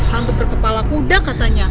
hantu berkepala kuda katanya